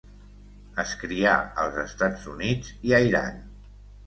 Es crià als Estats Units i a Iran.